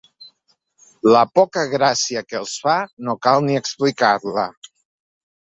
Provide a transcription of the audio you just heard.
La poca gràcia que els fa, no cal ni explicar-la.